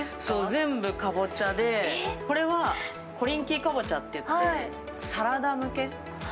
全部かぼちゃで、これはコリンキーカボチャといって、サラダ向け。